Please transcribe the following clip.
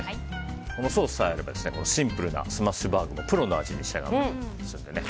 このソースさえあればシンプルなスマッシュバーグもプロの味に仕上がりますので。